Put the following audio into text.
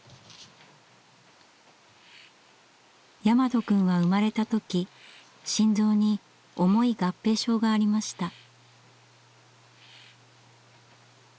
大和くんは生まれた時心臓に重い合併症がありました。